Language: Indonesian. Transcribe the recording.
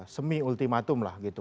semi ultimatum lah gitu